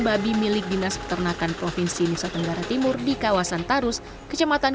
babi milik dinas peternakan provinsi nusa tenggara timur di kawasan tarus kecamatan